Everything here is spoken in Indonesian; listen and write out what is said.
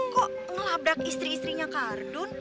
kok ngelabrak istri istrinya kardun